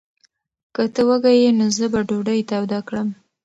که ته وږی یې، نو زه به ډوډۍ توده کړم.